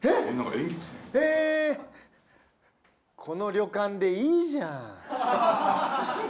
「この旅館でいいじゃん」。